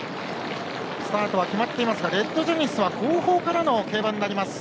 スタートは決まっていますがレッドジェネシスは後方からの競馬になります。